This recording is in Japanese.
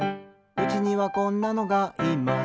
「うちにはこんなのがいます」